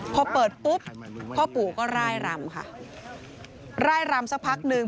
พอเปิดปุ๊บพ่อปู่ก็ร่ายรำค่ะร่ายรำสักพักหนึ่ง